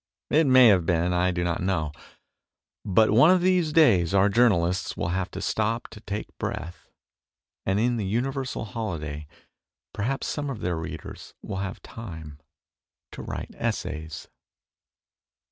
It may have been ; I do not know. But one of these days our journalists will have to stop to take breath, and in the universal holiday perhaps some of their readers will have time to write essays.